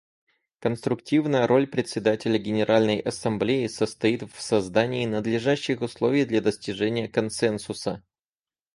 Конструктивная роль Председателя Генеральной Ассамблеи состоит в создании надлежащих условий для достижения консенсуса.